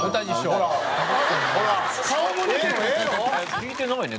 「聞いてないね」